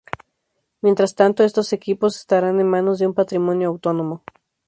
Mientras tanto, estos equipos estarán en manos de un patrimonio autónomo.